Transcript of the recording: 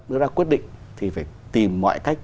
đưa ra quyết định thì phải tìm mọi cách